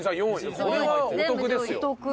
これはお得ですよ」